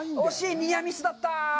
ニアミスだった。